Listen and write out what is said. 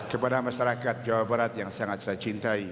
kepada masyarakat jawa barat yang sangat saya cintai